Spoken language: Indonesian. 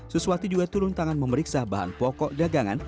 suswati juga turun tangan memeriksa bahan pokok dagangan